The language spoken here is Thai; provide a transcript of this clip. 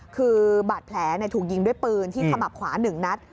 คือบาดแผลถูกยิงด้วยปืนที่ขมับขวา๑นัด